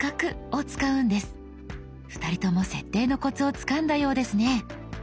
２人とも設定のコツをつかんだようですね。